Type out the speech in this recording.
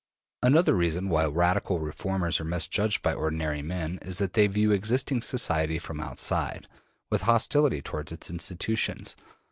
Another reason why radical reformers are misjudged by ordinary men is that they view existing society from outside, with hostility towards its institutions.